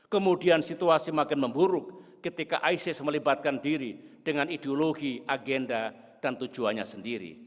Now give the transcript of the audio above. kemudian situasi makin memburuk ketika isis melibatkan diri dengan ideologi agenda dan tujuannya sendiri